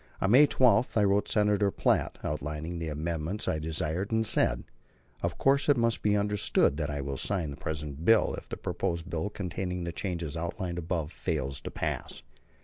On May 12 I wrote Senator Platt, outlining the amendments I desired, and said: "Of course it must be understood that I will sign the present bill if the proposed bill containing the changes outlined above fails to pass."